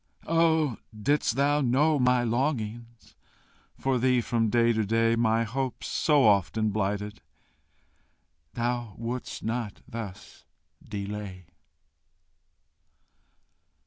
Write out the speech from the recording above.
Oh, didst thou know my longings For thee, from day to day, My hopes, so often blighted, Thou wouldst not thus delay!